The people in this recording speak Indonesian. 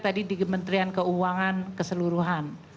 tadi di kementerian keuangan keseluruhan